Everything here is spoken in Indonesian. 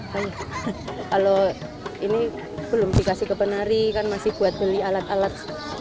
kalau ini belum dikasih ke penari kan masih buat beli alat alat